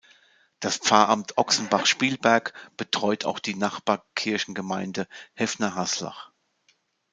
Das Pfarramt Ochsenbach-Spielberg betreut auch die Nachbarkirchengemeinde Häfnerhaslach.